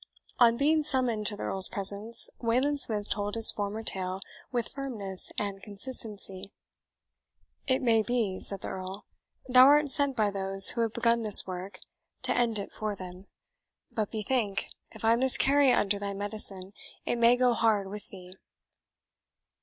On being summoned to the Earl's presence, Wayland Smith told his former tale with firmness and consistency. "It may be," said the Earl, "thou art sent by those who have begun this work, to end it for them; but bethink, if I miscarry under thy medicine, it may go hard with thee."